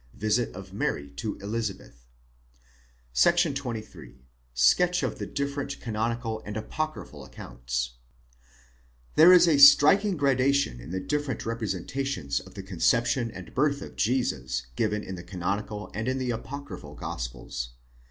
—VISIT OF MARY TO ELIZABETH, § 23. SKETCH OF THE DIFFERENT CANONICAL AND APOCRYPHAL ACCOUNTS, THERE is a striking gradation in the different representations of the concep tion and birth of Jesus given in the canonical and in the apocryphal Gospels.